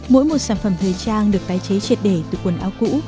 mỗi một sản phẩm thời trang được tái chế triệt để từ quần áo cũ